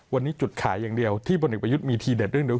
วันนี้จุดขายอย่างเดียวที่พลเอกประยุทธ์มีทีเด็ดเรื่องเดียว